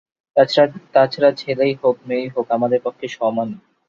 তা ছাড়া ছেলেই হোক, মেয়েই হোক, আমাদের পক্ষে সমানই।